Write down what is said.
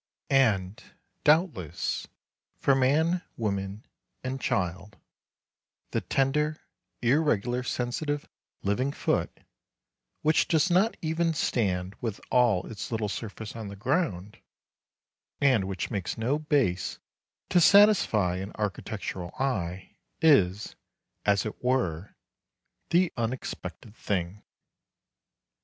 And, doubtless, for man, woman, and child the tender, irregular, sensitive, living foot, which does not even stand with all its little surface on the ground, and which makes no base to satisfy an architectural eye, is, as it were, the unexpected thing.